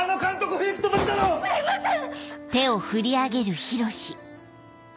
すいません！